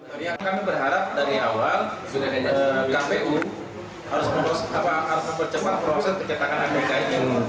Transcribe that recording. tapi kami berharap dari awal kpu harus mempercepat proses pencetakan apk ini